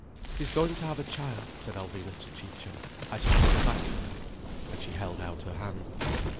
"She is going to have a child," said Alvina to Ciccio. "I shall have to go back to her." And she held out her hand.